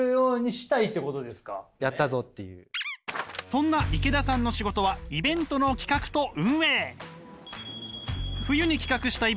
そんな池田さんの仕事はイベントの企画と運営。